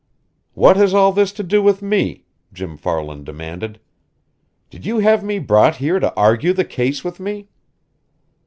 "What has all this to do with me?" Jim Farland demanded. "Did you have me brought here to argue the case with me?"